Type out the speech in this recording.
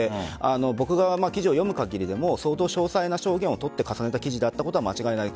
僕が記事を読む限りでも相当、詳細な証言を取って重ねた記事だったことは間違いない。